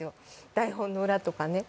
台本の裏とかね